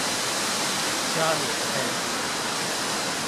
加棉被